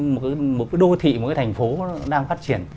một cái đô thị một cái thành phố đang phát triển